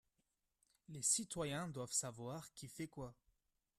Les citoyens doivent savoir qui fait quoi